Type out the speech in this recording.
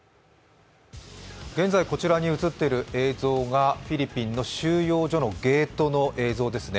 現在こちらに映っている映像がフィリピンの収容所のゲートの映像ですね。